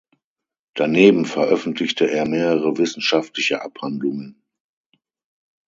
Daneben veröffentlichte er mehrere wissenschaftliche Abhandlungen.